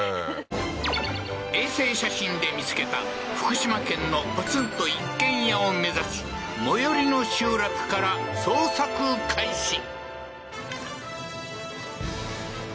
衛星写真で見つけた福島県のポツンと一軒家を目指し最寄りの集落から捜索開始！